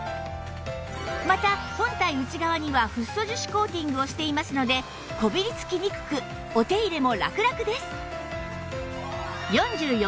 また本体内側にはフッ素樹脂コーティングをしていますのでこびりつきにくくお手入れもラクラクです